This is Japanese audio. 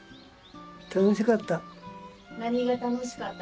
楽しかった。